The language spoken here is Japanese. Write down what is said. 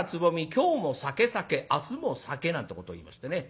今日も咲け咲け明日も咲け」なんてことをいいましてね